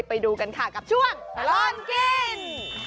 ไปดูกันค่ะกับช่วงตลอดกิน